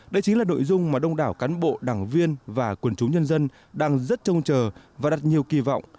đây chính là nội dung mà đông đảo cán bộ đảng viên và quần chúng nhân dân đang rất trông chờ và đặt nhiều kỳ vọng